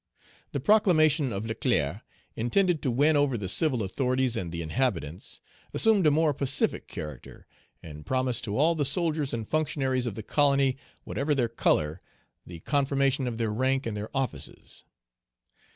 The proclamation of Leclere, intended to win over the civil authorities and the inhabitants, assumed a more pacific character, and promised to all the soldiers and functionaries of the colony, whatever their color, the confirmation of their rank and their offices.